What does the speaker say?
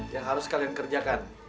yang harus kalian kerjakan